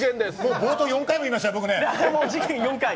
冒頭４回も言いましたね。